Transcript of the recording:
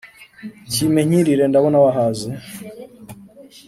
kimpe nkirire ndabona wahaze